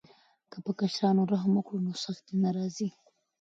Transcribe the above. که پر کشرانو رحم وکړو نو سختي نه راځي.